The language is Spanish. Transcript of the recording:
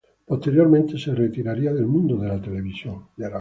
Posteriormente se retiraría del mundo de la televisión.